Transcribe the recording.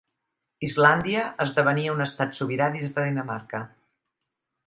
Islàndia esdevenia un estat sobirà dins de Dinamarca.